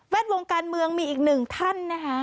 ดวงการเมืองมีอีกหนึ่งท่านนะคะ